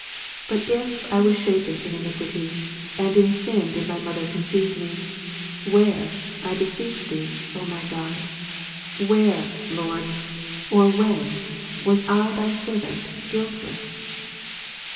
But if I was shapen in iniquity, and in sin did Ps. 51, 7. my mother conceive me, where, I beseech Thee, O my God, \ where. Lord, or when, was I Thy servant guiltless